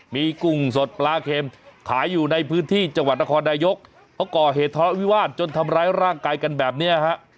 มีกุ้งสดปลาเค็มขายอยู่ในพื้นที่จังหวัดนครนายกเขาก่อเหตุทะเลาะวิวาสจนทำร้ายร่างกายกันแบบนี้ฮะ